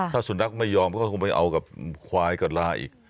ถ้าสุนัขไม่ยอมก็ไปเอากับขวายกล้าร้าย